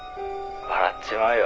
「笑っちまうよ。